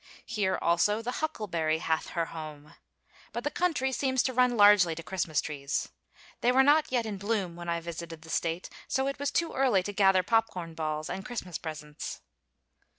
Here also the huckleberry hath her home. But the country seems to run largely to Christmas trees. They were not yet in bloom when I visited the State, so it was too early to gather popcorn balls and Christmas presents.